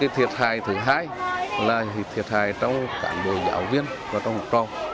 thiệt hại thứ hai là thiệt hại trong cảng bộ giáo viên và trong trò